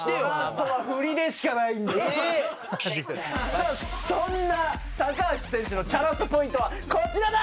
さあそんな高橋選手のチャラッソポイントはこちらだ！